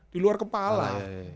di luar kepala